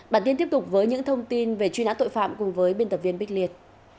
bản tin tiếp tục với những thông tin về truy nã tội phạm cùng với biên tập viên bích liên